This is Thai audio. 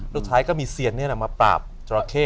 แล้วท้ายก็มีเซียนเนี่ยมาปราบจราเข้